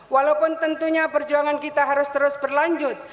walaupun tentunya perjuangan kita harus terus berlanjut